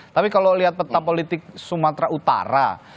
tapi kalau lihat peta politik sumatera utara